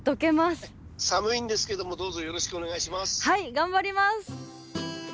頑張ります！